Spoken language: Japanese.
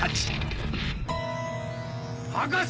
博士！